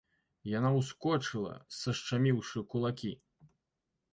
Яна ўскочыла, сашчаміўшы кулакі.